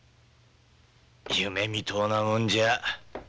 夢みとうなもんじゃ。